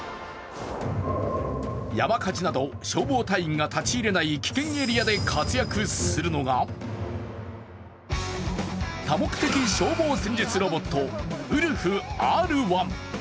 山火事など、消防隊員が立ち入れない、危険エリアで活躍するのが多目的消防戦術ロボットＷｏｌｆＲ１。